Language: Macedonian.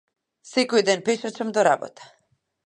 Секој ден пешачам до работа.